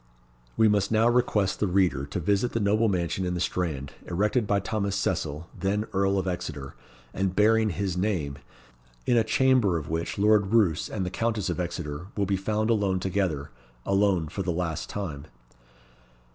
We must now request the reader to visit the noble mansion in the Strand, erected by Thomas Cecil, then Earl of Exeter, and bearing his name; in a chamber of which Lord Roos and the Countess of Exeter will be found alone together alone for the last time.